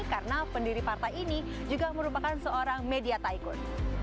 karena pendiri partai ini juga merupakan seorang media taikun